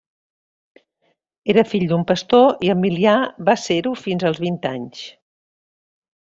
Era fill d'un pastor i Emilià va ser-ho fins als vint anys.